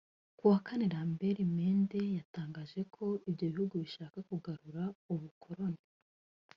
Ku wa Kane Lambert Mende yatangaje ko ibyo bihugu bishaka kugarura ubukoloni